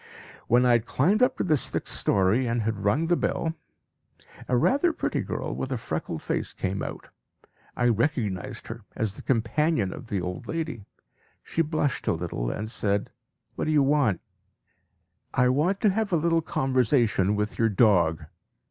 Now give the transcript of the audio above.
When I had climbed up to the sixth story, and had rung the bell, a rather pretty girl with a freckled face came out. I recognised her as the companion of the old lady. She blushed a little and asked "What do you want?" "I want to have a little conversation with your dog."